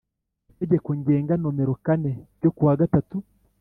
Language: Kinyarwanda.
Itegeko ngenga nomero kane ryo ku wa gatatu